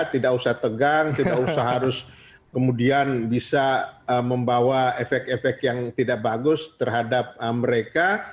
tidak usah tegang tidak usah harus kemudian bisa membawa efek efek yang tidak bagus terhadap mereka